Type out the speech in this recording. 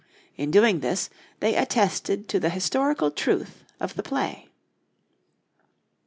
In doing this they attested to the historical truth of the play.